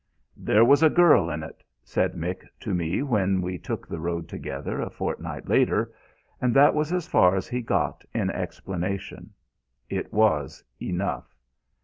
"There was a girl in it," said Mick to me when we took the road together a fortnight later, and that was as far as he got in explanation. It was enough.